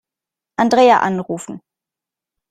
Andrea anrufen.